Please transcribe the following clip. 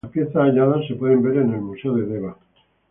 Las piezas halladas se pueden ver en el Museo de Deva.